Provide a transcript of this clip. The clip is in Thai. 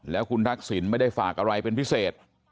แล้วคุณทักษิณไม่ได้ฝากอะไรเป็นพิเศษ